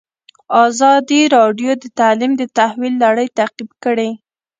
ازادي راډیو د تعلیم د تحول لړۍ تعقیب کړې.